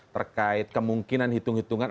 terkait kemungkinan hitung hitungan